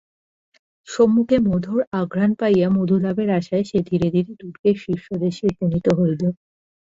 সম্মুখে মধুর আঘ্রাণ পাইয়া মধুলাভের আশায় সে ধীরে ধীরে দুর্গের শীর্ষদেশে উপনীত হইল।